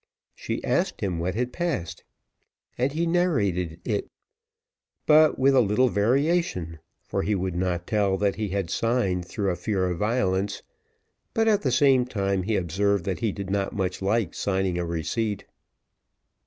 She asked him what had passed, and he narrated it, but with a little variation, for he would not tell that he had signed through a fear of violence, but, at the same time, he observed, that he did not much like signing a receipt.